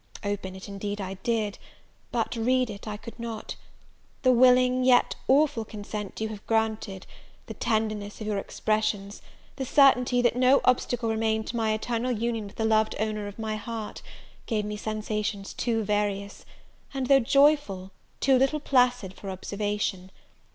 Open it, indeed, I did but read it I could not; the willing, yet awful consent you have granted the tenderness of your expressions the certainty that no obstacle remained to my eternal union with the loved owner of my heart, gave me sensations too various, and, though joyful, too little placid for observation.